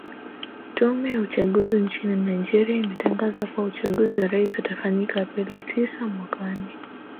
tume ya uchaguzi nchini nigeria imetangaza kuwa uchaguzi wa rais utafanyika aprili tisa mwakani